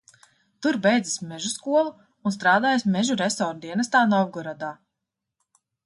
Tur beidzis mežu skolu un strādājis mežu resora dienestā Novgorodā.